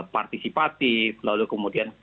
partisipatif lalu kemudian